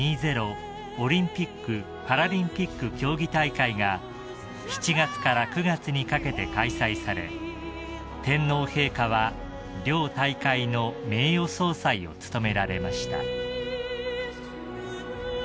オリンピック・パラリンピック競技大会が７月から９月にかけて開催され天皇陛下は両大会の名誉総裁を務められました］